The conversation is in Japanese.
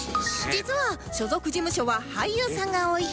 実は所属事務所は俳優さんが多い研音